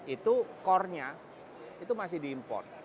itu core nya itu masih diimport